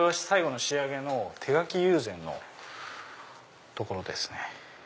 最後の仕上げの手描き友禅のところですね。